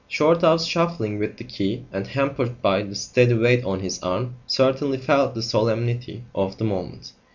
Shorthouse, shuffling with the key and hampered by the steady weight on his arm, certainly felt the solemnity of the moment.